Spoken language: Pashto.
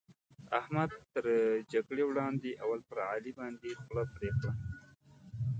احمد تر جګړې وړاندې؛ اول پر علي باندې خوله پرې کړه.